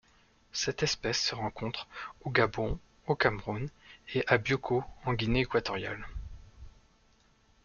Cette espèce se rencontre au Gabon, au Cameroun et à Bioko en Guinée équatoriale.